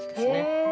へえ。